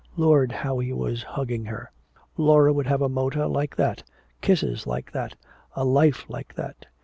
Lord, how he was hugging her! Laura would have a motor like that, kisses like that, a life like that!